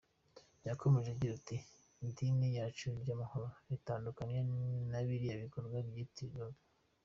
Yakomeje agira ati “Idini yacu ni iry’amahoro, ritandukanye na biriya bikorwa biryitirirwa.